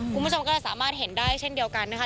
คุณผู้ชมก็จะสามารถเห็นได้เช่นเดียวกันนะคะ